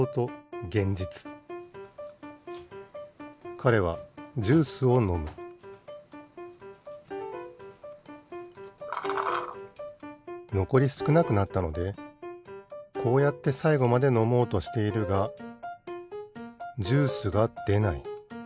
かれはジュースをのむのこりすくなくなったのでこうやってさいごまでのもうとしているがジュースがでない。